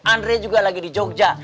andre juga lagi di jogja